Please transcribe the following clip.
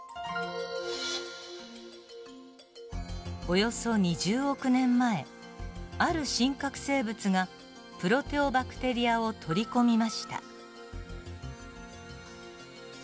およそ２０億年前ある真核生物がプロテオバクテリアを取り込みました。